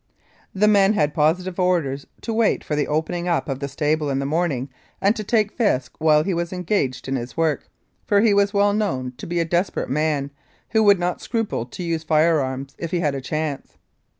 The men had positive orders to wait for the opening up of the stable in the morning and to take Fisk while he was engaged in his work, for he was well known to be a desperate man, who would not scruple to use firearms if he had a chance.